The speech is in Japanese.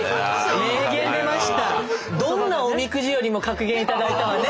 どんなおみくじよりも格言頂いたわね。